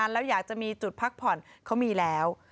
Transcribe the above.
แล้วอยากจะมีจุดพักผ่อนเขามีแล้ว